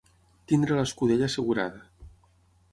Tenir l'escudella assegurada.